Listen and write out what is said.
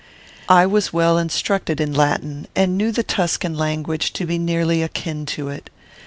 I was well instructed in Latin, and knew the Tuscan language to be nearly akin to it.